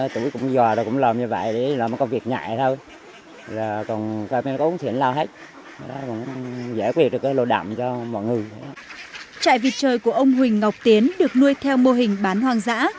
trại vịt trời của ông huỳnh ngọc tiến được nuôi theo mô hình bán hoang dã